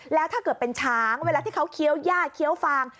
แล้วถ้าเกิดเป็นช้างเวลาที่เขาเคี้ยวย่าเคี้ยวฟาง